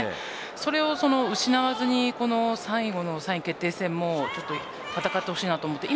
それを失わずにこの最後の３位決定戦も戦ってほしいと思います。